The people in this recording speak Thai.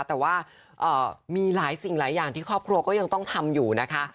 แต่ว่ามีหลายสิ่งหลายอย่างที่ครอบครัวก็ยังต้องทำอยู่นะคะ